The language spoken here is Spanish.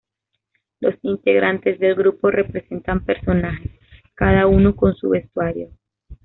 Los integrantes del grupo representan personajes, cada uno con su vestuario.